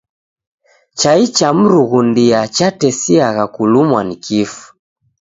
Chai cha mrunghundia chatesiagha kulumwa ni kifu.